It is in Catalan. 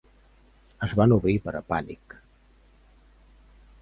Es van obrir per a Pànic!